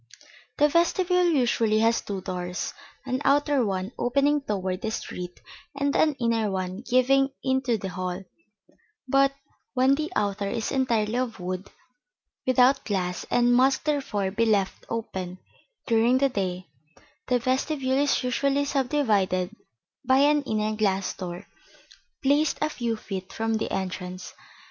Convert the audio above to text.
] The vestibule usually has two doors: an outer one opening toward the street and an inner one giving into the hall; but when the outer is entirely of wood, without glass, and must therefore be left open during the day, the vestibule is usually subdivided by an inner glass door placed a few feet from the entrance.